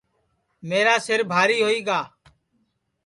میرا سِر بھاری ہوئی گا